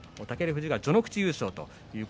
富士が序ノ口優勝です。